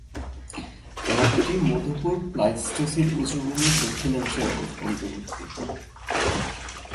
এলাকাটি মধুপুর প্লাইস্টোসিন উঁচু ভূমির দক্ষিণাংশের অন্তর্ভুক্ত।